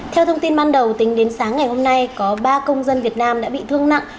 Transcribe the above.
theo thông tin ban đầu tính đến sáng ngày hôm nay có ba công dân việt nam đã bị thương nặng